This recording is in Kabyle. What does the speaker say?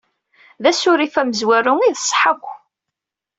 D asurif amenzu i d ṣṣeḥ akk.